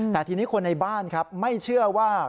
แต่ทีนี้คนในบ้านครับไม่เชื่อว่า